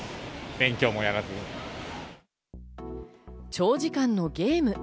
長時間のゲーム。